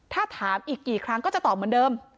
ถ้าถามอีกกี่ครั้งก็จะตอบเหมือนเดิม